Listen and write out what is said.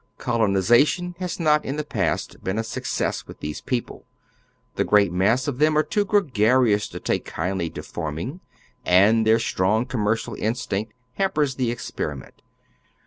Colonization has not in the past been a success with these people. The great mass of tliem are too gregarious to take. oy Google 134 HOW THE OTHEK HALF LIVES. kindly to farming, and their strong commercial instinct hampers the experiment.